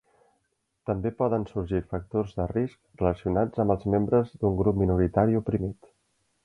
També poden sorgir factors de risc relacionats amb els membres d'un grup minoritari oprimit.